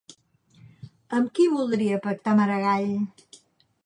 Amb qui voldria pactar Maragall?